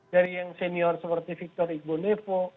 dari yang senior seperti victor iqbal nevo